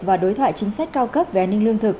và đối thoại chính sách cao cấp về an ninh lương thực